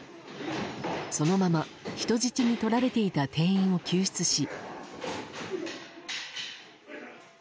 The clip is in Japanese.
そのまま人質にとられていた店員も救出し。